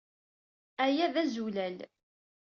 Aya d azulal!